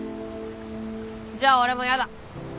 じゃあ俺もやだ。